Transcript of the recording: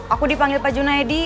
aku dipanggil pak junaedi